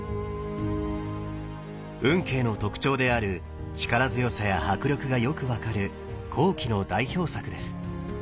運慶の特徴である力強さや迫力がよく分かる後期の代表作です。